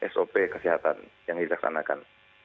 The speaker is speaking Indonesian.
sop kesehatan yang dilaksanakan